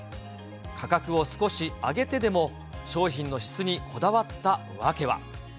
価格を少し上げてでも、商品の質にこだわった訳は。